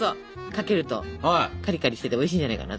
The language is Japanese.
かけるとカリカリしてておいしいんじゃないかな。